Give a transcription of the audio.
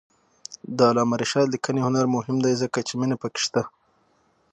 د علامه رشاد لیکنی هنر مهم دی ځکه چې مینه پکې شته.